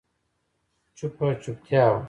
چوپه چوپتيا وه.